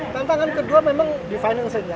tantangan kedua memang di financing ya